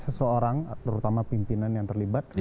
seseorang terutama pimpinan yang terlibat